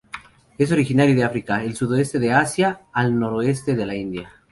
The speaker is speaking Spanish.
Es originario de África, el sudoeste de Asia, al noroeste de la India.